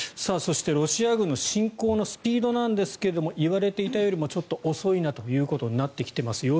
そしてロシア軍の侵攻のスピードですが言われていたよりもちょっと遅いなということになってきています。